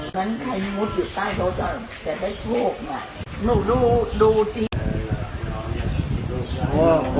อ๋อมันมุดอยู่ใต้เขาจ้ะ